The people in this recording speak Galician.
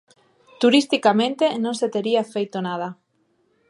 Turisticamente non se tería feito nada.